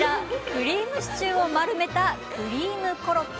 クリームシチューを丸めたクリームコロッケ。